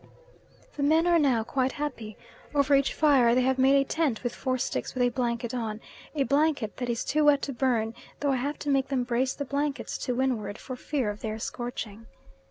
The men are now quite happy; over each fire they have made a tent with four sticks with a blanket on, a blanket that is too wet to burn, though I have to make them brace the blankets to windward for fear of their scorching.